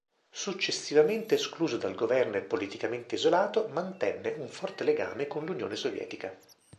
Successivamente escluso dal governo e politicamente isolato, mantenne un forte legame con l'Unione Sovietica.